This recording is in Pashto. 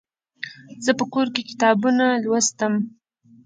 زه په کور کې کتابونه لوستم.